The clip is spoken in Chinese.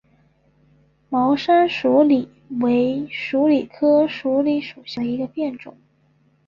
毛山鼠李为鼠李科鼠李属下的一个变种。